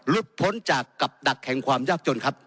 พ้นจากกับดักแห่งความยากจนครับ